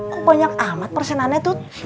kok banyak amat persenan nya tuh